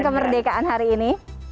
kemerdekaan hari ini